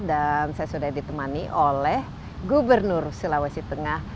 dan saya sudah ditemani oleh gubernur sulawesi tengah